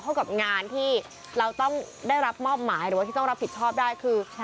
กับงานที่เราต้องได้รับมอบหมายหรือว่าที่ต้องรับผิดชอบได้คือ